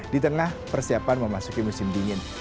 di tengah persiapan memasuki musim dingin